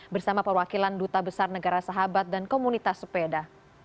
bersama perwakilan duta besar negara sahabat dan komunitas sepeda